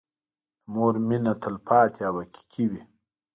د مور مينه تلپاتې او حقيقي وي.